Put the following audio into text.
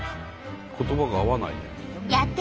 言葉が合わないね。